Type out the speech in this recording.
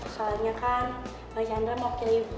soalnya kan bang chandra mau pilih tujuh baju